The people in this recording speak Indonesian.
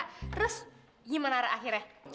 terus gimana akhirnya